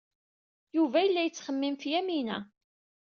Yuba yella yettxemmim ɣef Yamina.